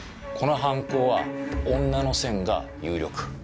この犯行は女の線が有力。